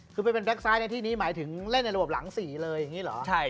คือไปเป็นแก๊กซ้ายในที่นี้หมายถึงเล่นในระบบหลัง๔เลยอย่างนี้เหรอ